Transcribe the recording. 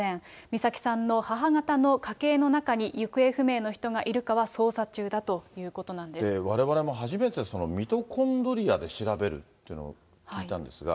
美咲さんの母方の家系の中に行方不明の人がいるかは捜査中だといわれわれも初めて、ミトコンドリアで調べるというのを聞いたんですが。